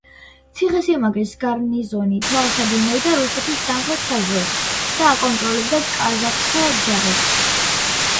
ციხესიმაგრის გარნიზონი თვალს ადევნებდა რუსეთის სამხრეთ საზღვრებს და აკონტროლებდა კაზაკთა ჯარებს.